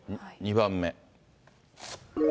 ２番目。